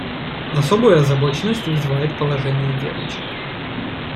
Особую озабоченность вызывает положение девочек.